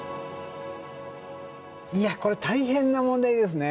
いやこれ大変な問題ですね。